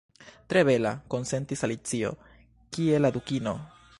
"Tre bela," konsentis Alicio. "Kie la Dukino?"